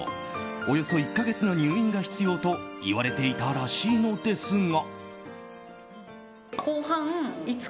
およそ１か月の入院が必要と言われていたらしいのですが。